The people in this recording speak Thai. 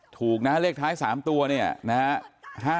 ถูกนะเลขท้าย๓ตัวเนี่ยนะฮะ